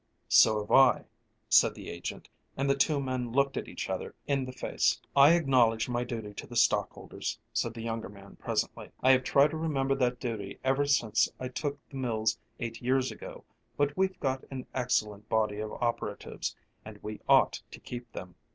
"So have I," said the agent, and the two men looked each other in the face. "I acknowledge my duty to the stockholders," said the younger man presently. "I have tried to remember that duty ever since I took the mills eight years ago, but we've got an excellent body of operatives, and we ought to keep them.